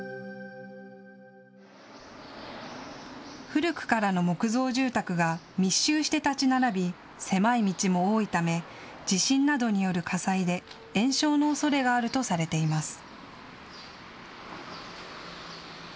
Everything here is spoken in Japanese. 古くからの木造住宅が密集して建ち並び、狭い道も多いため地震などによる火災で延焼のおそれがあるとされています。